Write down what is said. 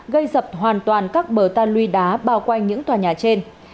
gây sập hoàn toàn các bờ tan luy đá bao quanh những tòa nhà trên